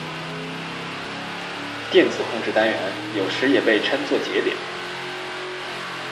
电子控制单元有时也被称作节点。